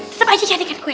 tetep aja jadikan gue